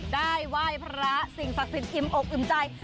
ไหว้พระสิ่งศักดิ์สิทธิอิ่มอกอิ่มใจ